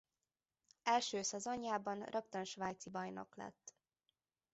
Első szezonjában rögtön svájci bajnok lett.